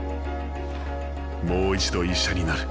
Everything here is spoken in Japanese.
もう一度医者になる。